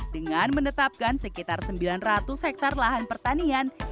dengan menetapkan sekitar sembilan ratus hektare lahan pertanian